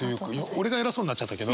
俺が偉そうになっちゃったけど。